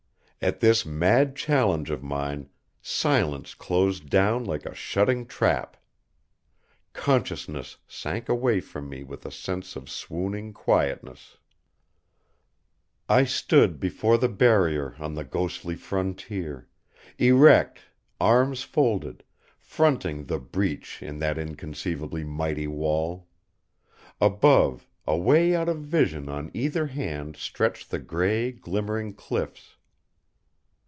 At this mad challenge of mine silence closed down like a shutting trap. Consciousness sank away from me with a sense of swooning quietness. I stood before the Barrier on the ghostly frontier; erect, arms folded, fronting the Breach in that inconceivably mighty wall. Above, away out of vision on either hand stretched the gray glimmering cliffs.